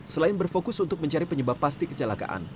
selain berfokus untuk mencari penyebab pasti kecelakaan